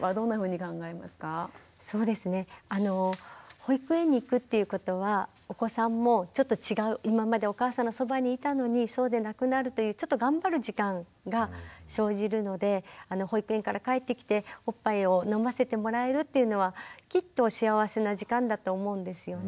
保育園に行くっていうことはお子さんもちょっと違う今までお母さんのそばにいたのにそうでなくなるというちょっと頑張る時間が生じるので保育園から帰ってきておっぱいを飲ませてもらえるっていうのはきっと幸せな時間だと思うんですよね。